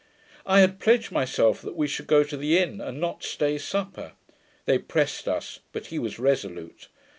I had pledged myself that we should go to the inn, and not stay supper. They pressed us, but he was resolute.